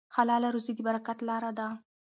حلاله روزي د برکت لاره ده.